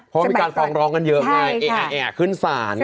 เพราะมีการฟ้องร้องกันเยอะไงขึ้นศาล